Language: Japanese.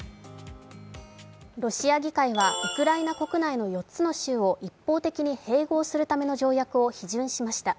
ロシア議会はウクライナ国内の４つの州を一方的に併合するための条約を批准しました。